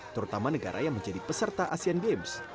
terutama negara yang menjadi peserta asean games